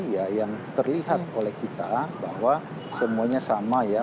ya yang terlihat oleh kita bahwa semuanya sama ya